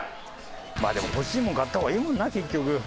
まあでも欲しいもん買った方がいいもんな結局。